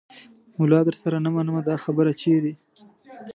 ملا درسره نه منمه دا خبره چیرې